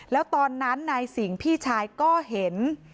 แล้วตอนนั้นนายสิงห์พี่ชายก็เห็น